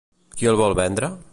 Qui el vol vendre?